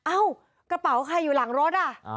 เอ้ากระเป๋าใครอยู่หลังรถอ่ะ